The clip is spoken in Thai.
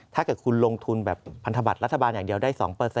ถ้าเกิดคุณลงทุนแบบพันธบัตรรัฐบาลอย่างเดียวได้๒